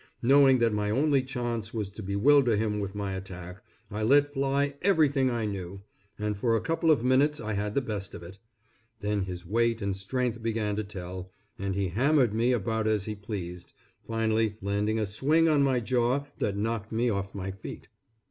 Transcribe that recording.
Knowing that my only chance was to bewilder him with my attack, I let fly everything I knew, and for a couple of minutes I had the best of it. Then his weight and strength began to tell, and he hammered me about as he pleased, finally landing a swing on my jaw that knocked me off my feet.